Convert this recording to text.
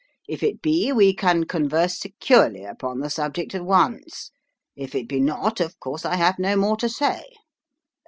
If it be, we can converse securely upon the subject at once. If it be not, of course I have no more to say."